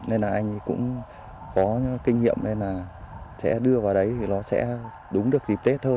nên là anh ấy cũng có kinh nghiệm nên là sẽ đưa vào đấy thì nó sẽ đúng được dịp tết thôi